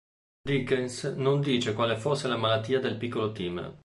Dickens non dice quale fosse la malattia del piccolo Tim.